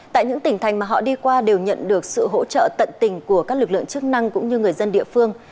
tại những tỉnh thành mà họ đi qua đều nhận được sự hỗ trợ tận tình của các lực lượng chức năng cũng như người dân địa phương